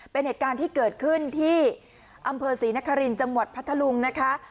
เป็นเหตุการณ์ที่เกิดขึ้นที่อำเภอศรีนครินทร์จังหวัดพัทธลุงนะคะ